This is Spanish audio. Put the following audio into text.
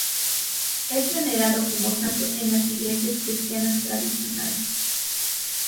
Es venerado como santo en las Iglesias cristianas tradicionales.